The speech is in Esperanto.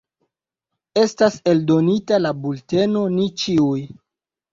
Estas eldonita la bulteno Ni ĉiuj.